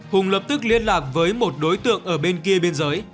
hùng lập tức liên lạc với một đối tượng ở bên kia biên giới